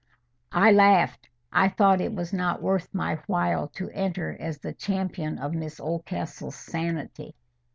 I laughed. I thought it was not worth my while to enter as the champion of Miss Oldcastle's sanity.